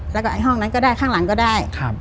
แล้วก็ไอ้ห้องนั้นก็ได้ข้างหลังก็ได้